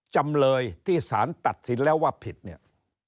จำเลยที่สารตัดสินแล้วว่าผิดเนี่ย